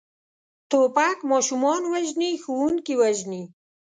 توپک ماشومان وژني، ښوونکي وژني.